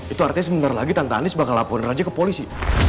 itu artinya sebentar lagi tante andis bakal hapoin raja ke polisi